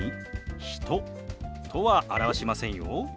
「人」とは表しませんよ。